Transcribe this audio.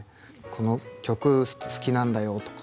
この曲好きなんだよとか